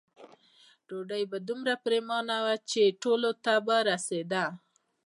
ډوډۍ به دومره پریمانه وه چې ټولو ته به رسېده.